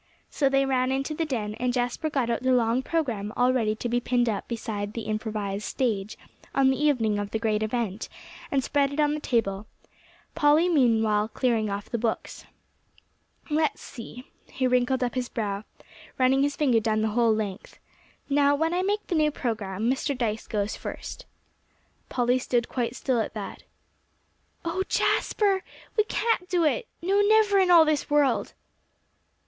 So they ran into the den; and Jasper got out the long program all ready to be pinned up beside the improvised stage, on the evening of the great event, and spread it on the table, Polly meanwhile clearing off the books. "Let's see." He wrinkled up his brow, running his finger down the whole length. "Now, when I make the new program, Mr. Dyce goes first." Polly stood quite still at that. "Oh, Jasper, we can't do it no, never in all this world."